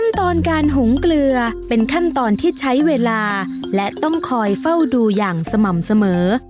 ตอนการหุงเกลือเป็นขั้นตอนที่ใช้เวลาและต้องคอยเฝ้าดูอย่างสม่ำเสมอ